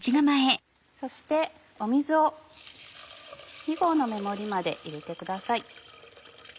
そして水を２合の目盛りまで入れてください。